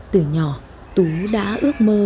từ nhỏ tú đã ước mơ